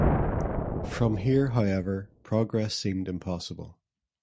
From here, however, progress seemed impossible.